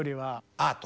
アート！